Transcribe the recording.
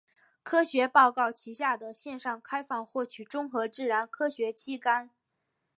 科学报告旗下的线上开放获取综合自然科学期刊。